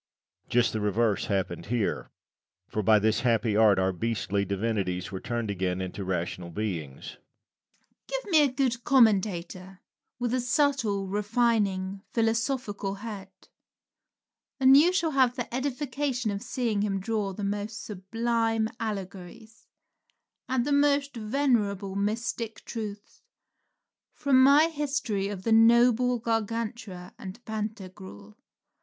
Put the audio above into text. Just the reverse happened here, for by this happy art our beastly divinities were turned again into rational beings. Rabelais. Give me a good commentator, with a subtle, refining, philosophical head, and you shall have the edification of seeing him draw the most sublime allegories and the most venerable mystic truths from my history of the noble Gargantua and Pantagruel.